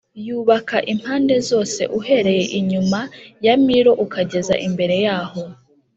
Yubaka impande zose, uhereye inyuma ya Milo ukageza imbere y’aho.